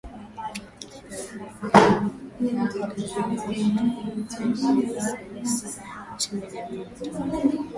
yalichangia farakano si teolojia tu bali siasa uchumi jamii na utamaduni